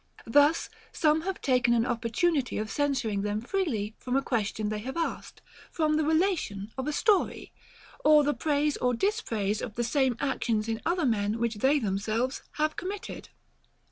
Thus some have taken an opportunity of censuring them freely from a question they have asked, from the relation of a story, or the praise or dispraise of the same actions in other men which they themselves have committed.